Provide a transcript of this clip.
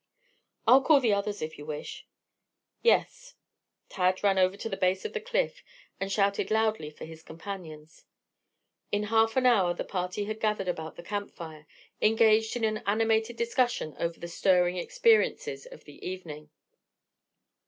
"I'll call the others, if you wish." "Yes." Tad ran over to the base of the cliff, and shouted loudly for his companions. In half an hour the party had gathered about the camp fire, engaged in an animated discussion over the stirring experiences of the evening.